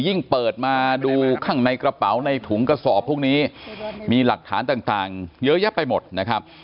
ยิ่งเปิดมาดูข้างในกระเป๋าในถุงกระสอบพวกนี้มีหลักฐานต่างเยอะแยะไปหมดนะครับ